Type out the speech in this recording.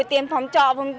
tiền phòng trọ